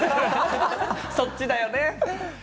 そっちだよね。